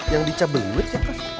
yang dicabel cabel ya kak